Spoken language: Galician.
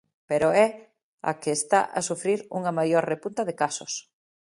Pero é a que está a sufrir unha maior repunta de casos.